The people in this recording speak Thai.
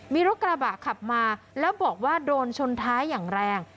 มีรถกระบะขับมาแล้วบอกว่าโดนชนท้ายอย่างแรง